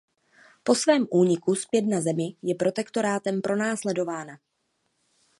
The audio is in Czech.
Po svém úniku zpět na Zemi je Protektorátem pronásledována.